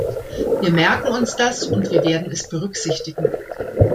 Wir merken uns das und wir werden es berücksichtigen.